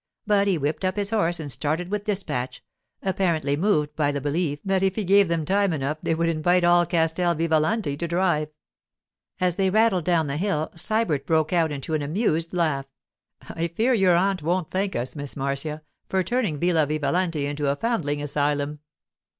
But he whipped up his horse and started with dispatch, apparently moved by the belief that if he gave them time enough they would invite all Castel Vivalanti to drive. As they rattled down the hill Sybert broke out into an amused laugh. 'I fear your aunt won't thank us, Miss Marcia, for turning Villa Vivalanti into a foundling asylum.